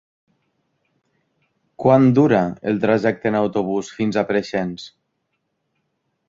Quant dura el trajecte en autobús fins a Preixens?